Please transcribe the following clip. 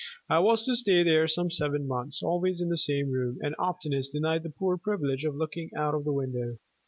I was to stay there some seven months, always in the same room, and oftenest denied the poor privilege of looking out of the window.